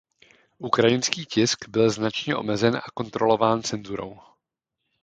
Ukrajinský tisk byl značně omezen a kontrolován cenzurou.